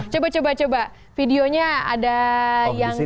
coba coba videonya ada yang di sana